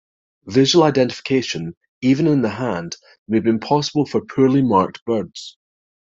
Visual identification, even in the hand, may be impossible for poorly marked birds.